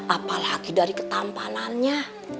apalagi dari ketampanannya